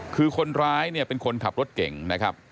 คือคนร้ายเนี่ยเป็นคนขับรถเก่งนะครับ